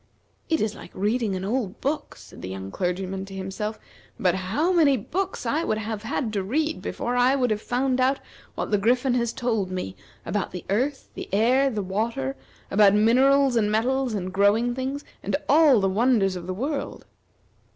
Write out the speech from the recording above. "It is like reading an old book," said the young clergyman to himself; "but how many books I would have had to read before I would have found out what the Griffin has told me about the earth, the air, the water, about minerals, and metals, and growing things, and all the wonders of the world!"